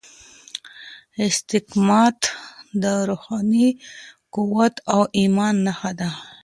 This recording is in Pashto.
استقامت د روحاني قوت او ايمان نښه ده.